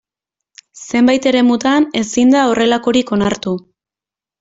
Zenbait eremutan ezin da horrelakorik onartu.